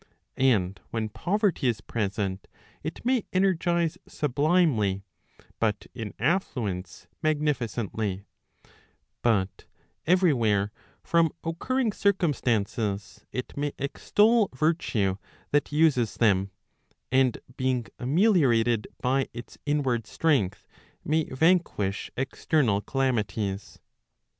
And when poverty is present, it may energize sublimely, but in affluence mag¬ nificently ; but every where from occurring circumstances, it may extol virtue that uses them; and being ameliorated by its inward strength may vanquish external calamities.